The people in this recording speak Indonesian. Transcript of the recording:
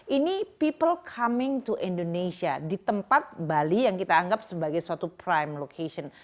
ini people coming to indonesia di tempat bali yang kita anggap sebagai suatu prime location